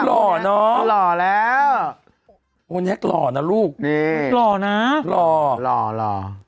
หล่อเนาะหล่อแล้วโอ้แน็คหล่อนะลูกหล่อหล่อหล่อหล่อ